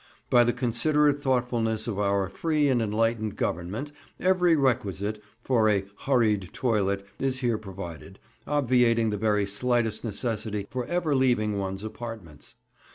By the considerate thoughtfulness of our free and enlightened Government every requisite for a (hurried) toilet is here provided, obviating the very slightest necessity for ever leaving one's apartments.